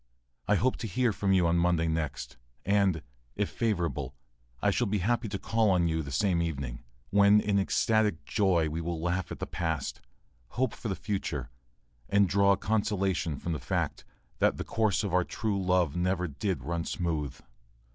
I hope to hear from you on Monday next, and, if favorable, I shall be happy to call on you the same evening, when in ecstatic joy we will laugh at the past, hope for the future, and draw consolation from the fact that "the course of true love never did run smooth."